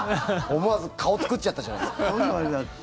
思わず顔作っちゃったじゃないですか。